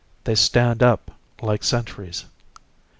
They stand up like sentries.